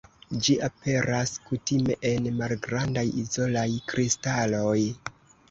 Ĝi aperas kutime en malgrandaj izolaj kristaloj.